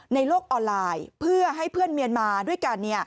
ในโลกออนไลน์เพื่อให้เพื่อนเมียนมาด้วยกัน